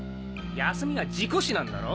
泰美は事故死なんだろ？